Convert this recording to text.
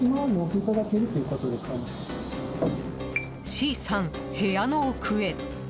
Ｃさん、部屋の奥へ。